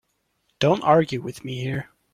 Don't argue with me here.